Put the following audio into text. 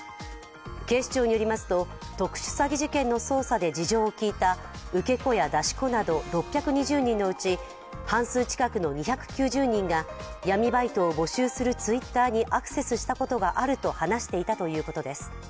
警視庁によりますと、特殊詐欺事件の捜査で事情を聴いた受け子や出し子など６２０人のうち半数近くの２９０人が闇バイトを募集するＴｗｉｔｔｅｒにアクセスしたことがあると話していたということです。